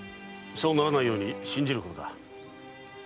そうならないように信じることだ。